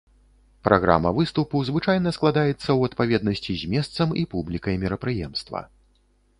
Праграма выступу звычайна складаецца ў адпаведнасці з месцам і публікай мерапрыемства.